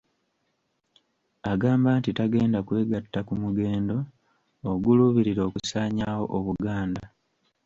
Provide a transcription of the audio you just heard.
Agamba nti tagenda kwegatta ku mugendo oguluubirira okusaanyaawo Obuganda.